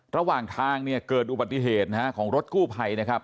ระหว่างทางเกิดอุบัติเหตุของรถกู้ไพนะครับ